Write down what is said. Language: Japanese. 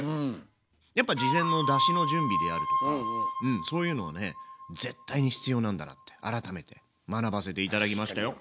やっぱ事前のだしの準備であるとかうんそういうのをね絶対に必要なんだなって改めて学ばせて頂きましたよ。